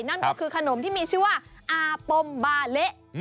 นั่นก็คือขนมที่มีชื่อว่าอาปมบาเละ